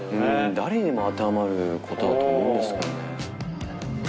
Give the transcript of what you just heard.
誰にも当てはまることだと思うんですけどね。